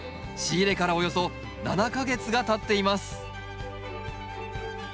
仕入れからおよそ７か月がたっています。